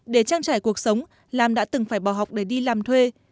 để trang trải cuộc sống lam đã từng phải bỏ học để đi làm thuê